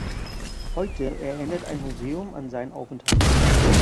Heute erinnert ein Museum an seinen Aufenthalt.